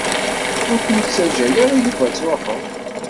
Ur kem-ittaǧǧa ara Yuba ad tṛuḥeḍ.